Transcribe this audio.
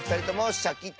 シャキット！